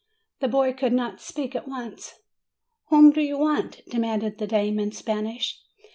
The boy could not speak at once. 276 MAY "Whom do you want?" demanded the dame in Spanish.